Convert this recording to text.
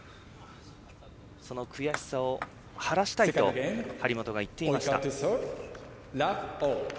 その悔しさを晴らしたいと張本が言っていました。